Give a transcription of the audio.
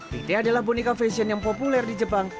pite adalah boneka fashion yang populer di jepang